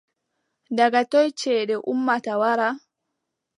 Daga toy ceede ummata wara ?